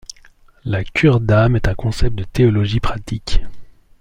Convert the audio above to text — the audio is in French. La cure d'âme est un concept de théologie pratique.